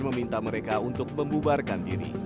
meminta mereka untuk membubarkan diri